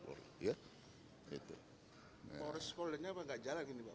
pores sama poldanya apa enggak jalan